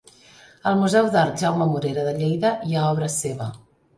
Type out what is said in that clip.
Al Museu d'Art Jaume Morera de Lleida hi ha obra seva.